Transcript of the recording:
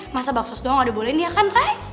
masa bakt sosial doang gak bolehin ya kan ref